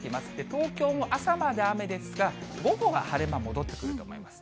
東京も朝まで雨ですが、午後は晴れ間戻ってくると思います。